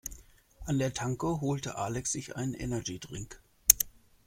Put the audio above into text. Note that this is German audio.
An der Tanke holte Alex sich einen Energy-Drink.